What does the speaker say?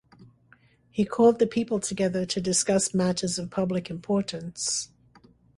He called the people together to discuss matters of public importance.